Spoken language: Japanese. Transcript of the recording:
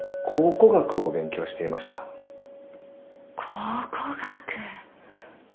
考古学。